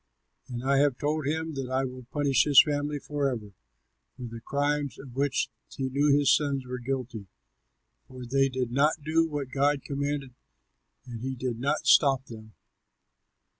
For I have told him that I will punish his family forever for the crime of which he knew his sons were guilty, for they did not do what God commanded and he did not stop them."